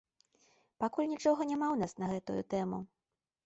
Пакуль нічога няма ў нас на гэтую тэму.